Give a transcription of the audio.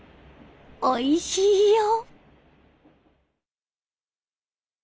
おいしいよ。